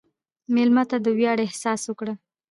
مېلمه ته د ویاړ احساس ورکړه.